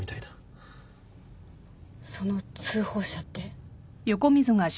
その通報者って？